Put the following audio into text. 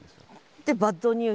でバッドニュース